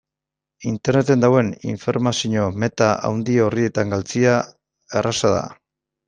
Interneten dagoen informazio-meta handi horietan galtzea erraza da.